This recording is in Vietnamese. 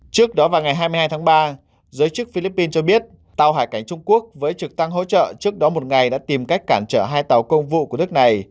trước đó vào ngày hai mươi hai tháng ba giới chức philippines cho biết tàu hải cảnh trung quốc với trực tăng hỗ trợ trước đó một ngày đã tìm cách cản trở hai tàu công vụ của nước này